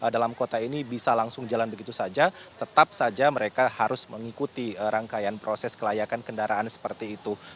dalam kota ini bisa langsung jalan begitu saja tetap saja mereka harus mengikuti rangkaian proses kelayakan kendaraan seperti itu